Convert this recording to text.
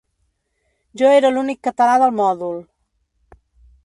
Jo era l’únic català del mòdul.